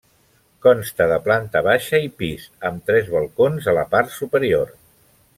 Consta de planta baixa i pis, amb tres balcons a la part superior.